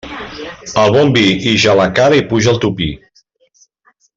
El bon vi ix a la cara i puja al topí.